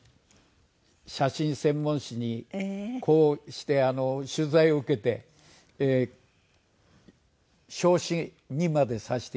写真専門誌にこうして取材を受けて表紙にまでさせていただきました。